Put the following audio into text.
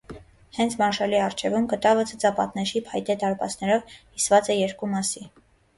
Հենց մարշալի առջևում կտավը ցցապատնեշի փայտե դարպասներով կիսվածէ երկու մասի։